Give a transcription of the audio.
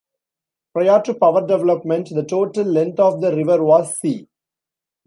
Prior to power development the total length of the river was c.